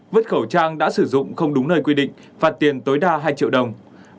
vứt khẩu trang đã sử dụng không đúng nơi quy định phạt tiền tối đa hai triệu đồng